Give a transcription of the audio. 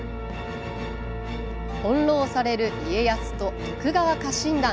翻弄される家康と徳川家臣団。